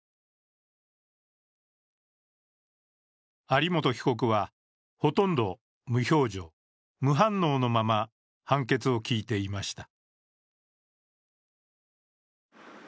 有本被告はほとんど無表情・無反応のまま判決を聞いていました。